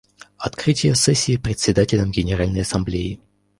Открытие сессии Председателем Генеральной Ассамблеи.